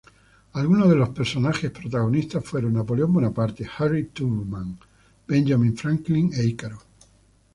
Algunos de los personajes protagonistas fueron Napoleón Bonaparte, Harriet Tubman, Benjamin Franklin e Ícaro.